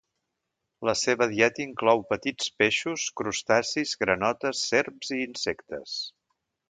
La seva dieta inclou petits peixos, crustacis, granotes, serps i insectes.